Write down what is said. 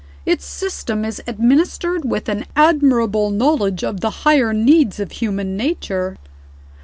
Its system is administered with an admirable knowledge of the higher needs of human nature.